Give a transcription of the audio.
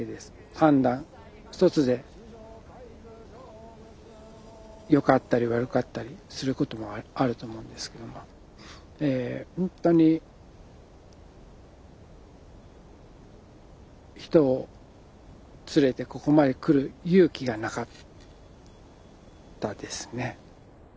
判断一つでよかったり悪かったりすることもあると思うんですけどもほんとに人を連れてここまで来る勇気がなかったですね。